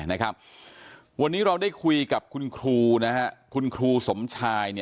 นะครับวันนี้เราได้คุยกับคุณครูนะครับคุณครูสมชายนี่